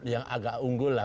yang agak unggul lah